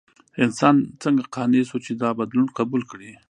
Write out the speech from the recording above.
انسان څنګه قانع شو چې دا بدلون قبول کړي؟